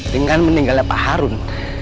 dengan meninggalnya pak harun